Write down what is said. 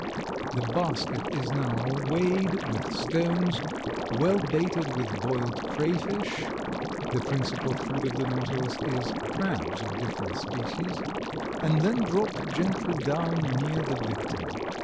The basket is now weighted with stones, well baited with boiled cray fish (the principal food of the Nautilus is crabs of different species), and then dropped gently down near the victim.